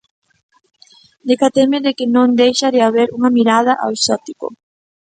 Decateime de que non deixa de haber unha mirada ao exótico.